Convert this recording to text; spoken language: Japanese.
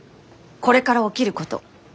これから起きること。